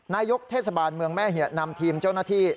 นายกเทศบาลเมืองแม่เหียนำทีมเจ้าหน้าที่